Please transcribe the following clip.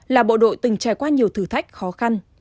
là bộ đội từng trải qua nhiều thử thách khó khăn